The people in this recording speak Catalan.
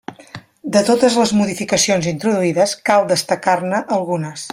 De totes les modificacions introduïdes, cal destacar-ne algunes.